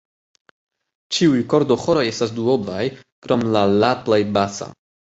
Ĉiuj kordoĥoroj estas duoblaj, krom la La plej basa.